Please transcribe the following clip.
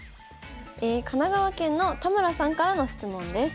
神奈川県の田村さんからの質問です。